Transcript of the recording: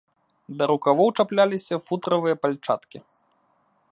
Да рукавоў чапляліся футравыя пальчаткі.